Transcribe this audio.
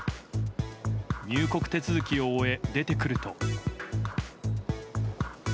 入国手続きを終え、出てくると。